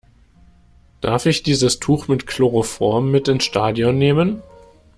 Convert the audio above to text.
Darf ich dieses Tuch mit Chloroform mit ins Stadion nehmen?